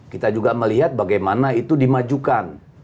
kita juga melihat bagaimana itu dimajukan